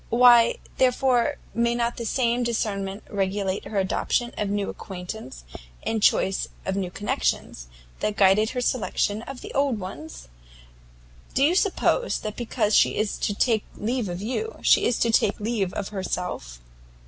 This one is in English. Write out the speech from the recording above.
Why, therefore, may not the same discernment regulate her adoption of new acquaintance, and choice of new connections, that guided her selection of old ones? Do you suppose that because she is to take leave of you, she is to take leave of herself?"